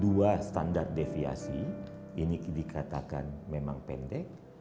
di bawah minus tiga standar deviasi ini dikatakan memang pendek